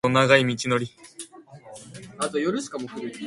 The three strands are represented graphically by a triple-helix inspired diagram.